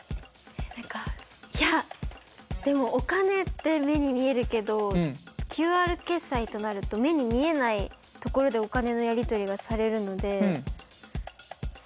何かいやでもお金って目に見えるけどＱＲ決済となると目に見えないところでお金のやり取りがされるので「〇」？